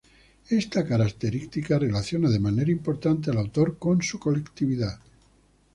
Esta característica relaciona de manera importante al autor con su colectividad.